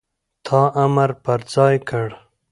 تا امر پر ځای کړ،